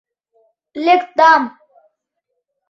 — Лектам.